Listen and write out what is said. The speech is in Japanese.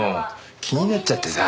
気になっちゃってさ。